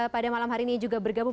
pada malam hari ini juga bergabung